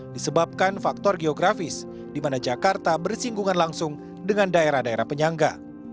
disebabkan faktor geografis di mana jakarta bersinggungan langsung dengan daerah daerah penyangga